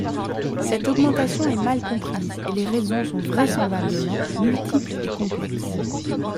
Cette augmentation est mal comprise et les raisons sont vraisemblablement multiples et complexes.